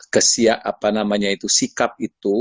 kesiap apa namanya itu sikap itu